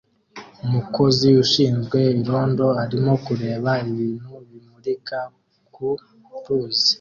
Umukozi ushinzwe irondo arimo kureba ibintu bimurika ku ruzi